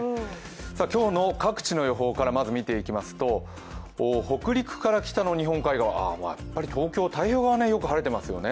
今日の各地の予報からまず見ていきますと北陸から北の日本海側、やっぱり太平洋側はよく晴れていますよね。